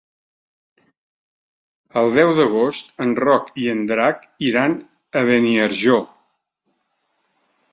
El deu d'agost en Roc i en Drac iran a Beniarjó.